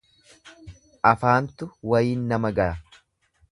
Afaantu wayiin nama gaya.